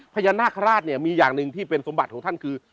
พญานาคาราชเนี่ยมีอย่างหนึ่งที่เป็นสมบัติของท่านคือ